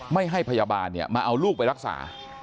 ไม่ให้พยาบาลมาเอาลูกไปรักษา